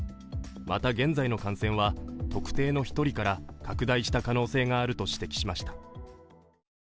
また、現在の感染は特定の１人から拡大した可能性があると指摘しました。